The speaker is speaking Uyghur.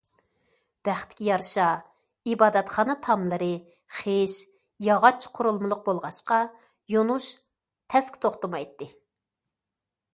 بەختكە يارىشا، ئىبادەتخانا تاملىرى خىش، ياغاچ قۇرۇلمىلىق بولغاچقا يونۇش تەسكە توختىمايتتى.